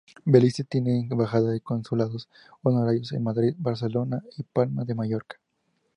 Belice tiene embajada y consulados honorarios en Madrid, Barcelona y Palma de Mallorca.